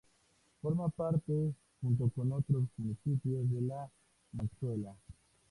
Forma parte, junto con otros municipios, de La Manchuela.